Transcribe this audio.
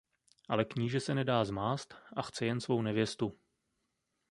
Ale kníže se nedá zmást a chce jen svou nevěstu.